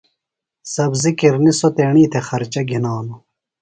سبزیۡ کِرنیۡ سوۡ تیݨی تھےۡ خرچہ گِھنانوۡ۔